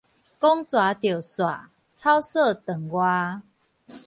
講蛇著紲，草索丈外